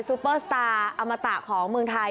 ซูเปอร์สตาร์อมตะของเมืองไทย